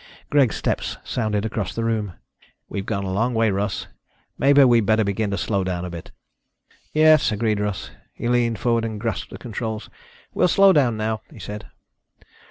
Greg's steps sounded across the room. "We've gone a long way, Russ. Maybe we better begin to slow down a bit." "Yes," agreed Russ. He leaned forward and grasped the controls. "We'll slow down now," he said.